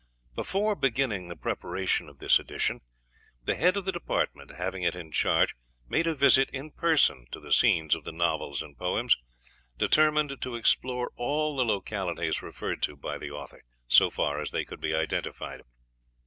Before beginning the preparation of this edition, the head of the department having it in charge made a visit in person to the scenes of the novels and poems, determined to explore all the localities referred to by the author, so far as they could be identified.